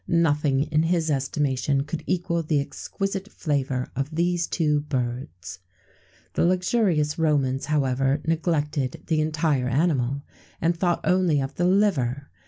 [XVII 67] Nothing, in his estimation, could equal the exquisite flavour of these two birds. The luxurious Romans, however, neglected the entire animal, and thought only of the liver.